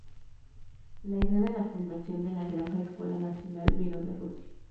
La idea de la fundación de la "Granja Escuela Nacional" vino de Rusia.